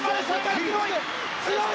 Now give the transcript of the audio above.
強い！